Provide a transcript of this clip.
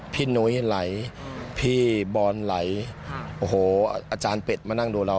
นุ้ยไหลพี่บอลไหลโอ้โหอาจารย์เป็ดมานั่งดูเรา